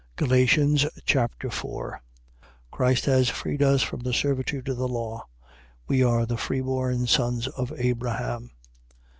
Galatians Chapter 4 Christ has freed us from the servitude of the law. We are the freeborn sons of Abraham.